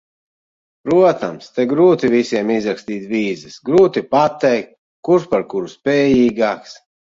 Protams, te grūti visiem izrakstīt vīzas, grūti pateikt, kurš par kuru spējīgāks.